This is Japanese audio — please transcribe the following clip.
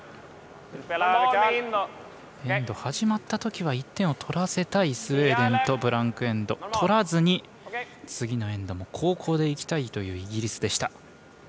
エンド始まったときは１点を取らせたいスウェーデンとブランク・エンドとらずに次のエンドも後攻でいきたいというイギリス。